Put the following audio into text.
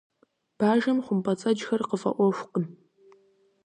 Бажэм хъумпӀэцӀэджхэр къыфӀэӀуэхукъым.